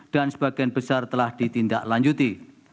dan sebagian besar telah ditindaklanjuti